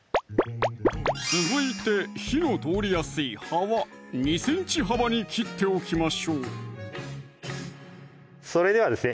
続いて火の通りやすい葉は２ｃｍ幅に切っておきましょうそれではですね